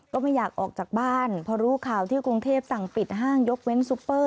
ก็ไม่อยากออกจากบ้านพอรู้ข่าวที่กรุงเทพสั่งปิดห้างยกเว้นซุปเปอร์